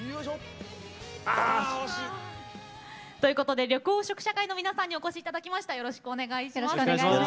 あー、惜しい！ということで緑黄色社会の皆さんにお越しいただきました。